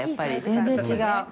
全然違う。